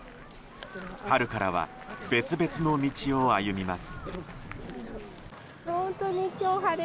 春からは別々の道を歩みます。